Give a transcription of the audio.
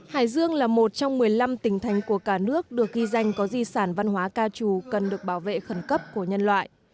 hải dương là một trong một mươi năm tỉnh thành của cả nước được ghi danh có di sản văn hóa ca trù cần được bảo vệ khẩn cấp của nhân loại